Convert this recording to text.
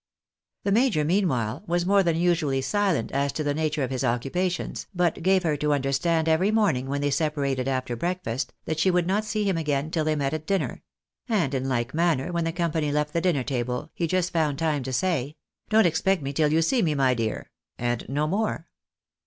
The major, meanwhile, was more than usually silent as to the nature of his occupations, but gave her to understand every morn ing, when they separated after breakfast, that she would not see him again till they met at dinner ; and in Uke manner, when the company left the dinner table, he just found time to say, " Don't expect me till you see me, my dear,'' and no more.